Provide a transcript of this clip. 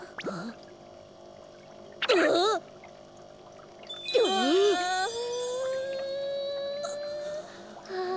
ああ。